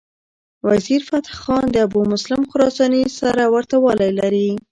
وزیرفتح خان د ابومسلم خراساني سره ورته والی لري.